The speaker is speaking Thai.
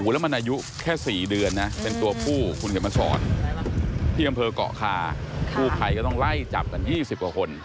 แล้วมันอายุแค่๔เดือนนะเป็นตัวผู้คุณเขียนมาสอนที่อำเภอกเกาะคากู้ภัยก็ต้องไล่จับกัน๒๐กว่าคน